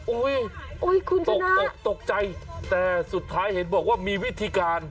โอ้ยโอ้คุณชนะตกไกรสุดท้ายเห็นบอกว่ามีวิธีการ